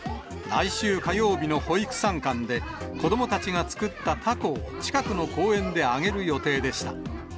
来週火曜日の保育参観で、子どもたちが作ったたこを近くの公園で揚げる予定でした。